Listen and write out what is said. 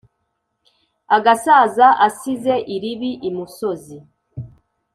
agasaza asize iribi imusozi.